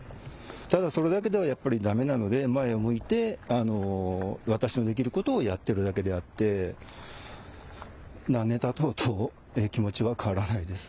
ただそれだけではやっぱりだめなので、前を向いて、私のできることをやってるだけであって、何年たとうと気持ちは変わらないです。